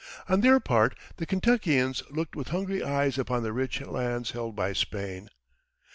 On their part, the Kentuckians looked with hungry eyes upon the rich lands held by Spain.